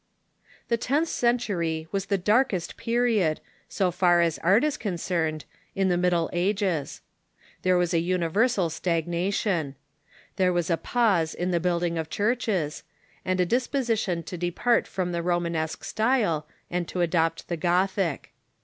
The tenth century was the darkest period, so far as art is concerned, in the Middle Ages. There was universal stagna tion. There was a pause in the building of churches, and a disposition to depart from the Romanesque style, and and^Revivai ^^ adopt the Gothic.